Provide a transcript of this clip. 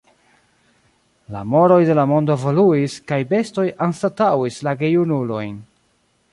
La moroj de la mondo evoluis, kaj bestoj anstataŭis la gejunulojn.